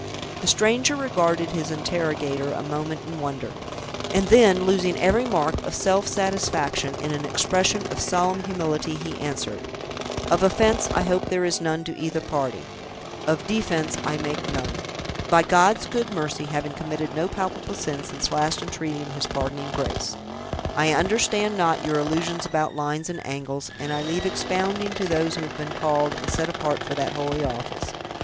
The stranger regarded his interrogator a moment in wonder; and then, losing every mark of self satisfaction in an expression of solemn humility, he answered: "Of offense, I hope there is none, to either party: of defense, I make none—by God's good mercy, having committed no palpable sin since last entreating his pardoning grace. I understand not your allusions about lines and angles; and I leave expounding to those who have been called and set apart for that holy office.